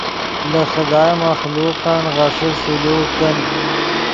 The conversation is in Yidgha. لے خدائے مخلوقن غیݰے سلوک کن